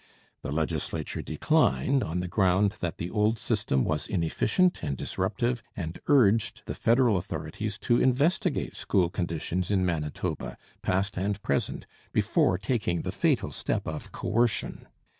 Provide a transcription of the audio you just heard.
The legislature declined, on the ground that the old system was inefficient and disruptive, and urged the federal authorities to investigate school conditions in Manitoba, past and present, before taking the fatal step of coercion.